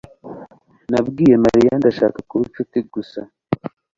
Nabwiye Mariya ndashaka kuba inshuti gusa